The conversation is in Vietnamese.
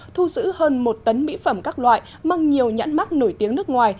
thu giữ hơn một tấn mỹ phẩm các loại mang nhiều nhãn mắc nổi tiếng nước ngoài